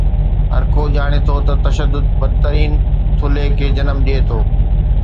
هرڪو ڄاڻي ٿو ته تشدد بدترين ٿلهي کي جنم ڏئي ٿو.